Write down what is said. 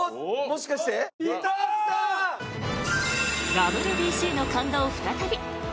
ＷＢＣの感動再び。